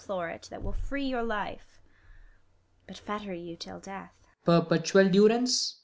If you'll implore it, that will free your life, But fetter you till death.